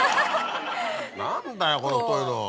何だよこの太いの。